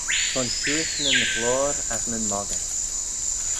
Son shiuish nyn ghloyr as nyn moggey.